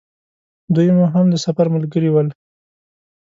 دوی مو هم د سفر ملګري ول.